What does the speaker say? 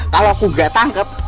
kalau aku gak tangkep